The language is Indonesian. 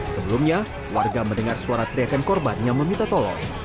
sebelumnya warga mendengar suara teriakan korban yang meminta tolong